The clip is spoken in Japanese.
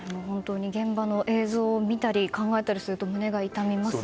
現在の映像を見たり考えたりすると胸が痛みますね。